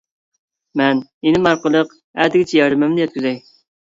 مەن ئىنىم ئارقىلىق ئەتىگىچە ياردىمىمنى يەتكۈزەي.